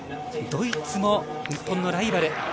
ドイツも日本のライバル。